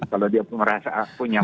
kalau dia punya